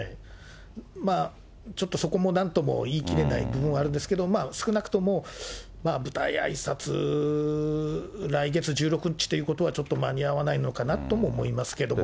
ちょっとそこもなんとも言い切れない部分もあるんですけれども、まあ、少なくとも、舞台あいさつ、来月１６日ということは、ちょっと間に合わないのかなとも思いますけども。